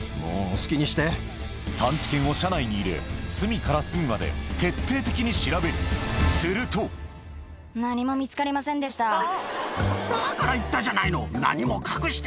探知犬を車内に入れ隅から隅まで徹底的に調べるするとあらよしよしよし。